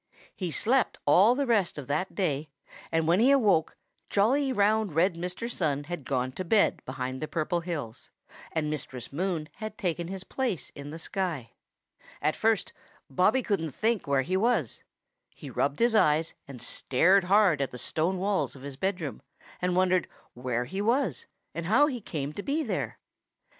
He slept all the rest of that day, and when he awoke, jolly, round red Mr. Sun had gone to bed behind the Purple Hills, and Mistress Moon had taken his place in the sky. At first, Bobby couldn't think where he was. He rubbed his eyes and stared hard at the stone walls of his bedroom and wondered where he was and how he came to be there.